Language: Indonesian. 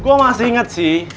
gue masih ingat sih